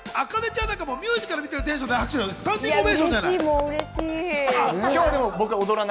あかねちゃんもミュージカル見てるテンション、スタンディングオベーションじゃない。